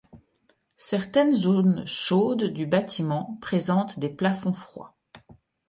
Certaines zones chaudes du bâtiment présentent des plafonds froids.